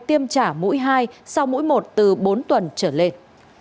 tiêm trả mũi hai sau mỗi một từ bốn tuần trở lên